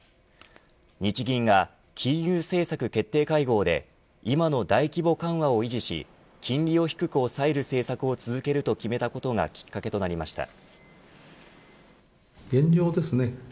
日銀が金融政策決定会合で今の大規模緩和を維持し金利を低く抑える政策を続けると決めたことがきっかけとなりました。